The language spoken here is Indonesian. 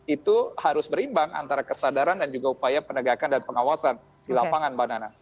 itu harus berimbang antara kesadaran dan juga upaya penegakan dan pengawasan di lapangan mbak nana